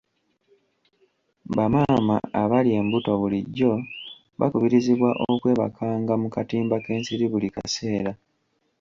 Bamaama abali embuto bulijjo bakubirizibwa okwebakanga mu katimba k'ensiri buli kaseera.